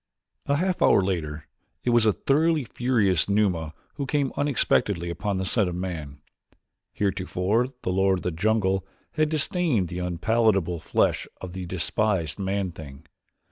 A half hour later it was a thoroughly furious Numa who came unexpectedly upon the scent of man. Heretofore the lord of the jungle had disdained the unpalatable flesh of the despised man thing.